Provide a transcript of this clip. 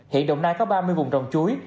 hiện đồng nai có ba mươi vùng trồng chuối